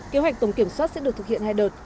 kế hoạch tổng kiểm soát sẽ được thực hiện hai đợt